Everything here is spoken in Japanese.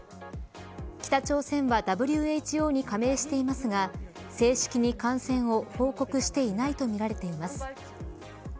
北朝鮮はＷＨＯに加盟していますが正式に感染を報告していないとみられています。